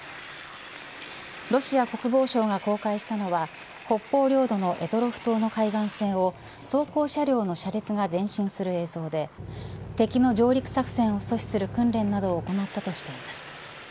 ロシア国防省が公開したのは北方領土の択捉島の海岸線を装甲車両の車列が前進する映像で敵の上陸作戦を阻止する訓練などを行ったとしています。